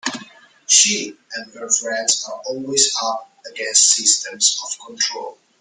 She and her friends are always up against systems of control.